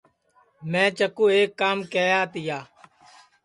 میں چکُُو ایک کام کیہیا تیا